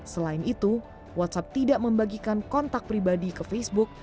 selain itu whatsapp tidak membagikan kontak pribadi ke facebook